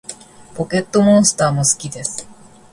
ポケットモンスターも好きです